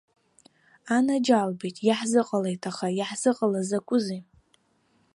Анаџьалбеит, иаҳзыҟалеит аха, иаҳзыҟалаз закәызеи.